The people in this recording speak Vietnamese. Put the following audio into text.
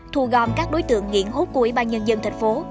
thu gom các đối tượng nghiện hút của ủy ban nhân dân thành phố